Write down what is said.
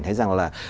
thấy rằng là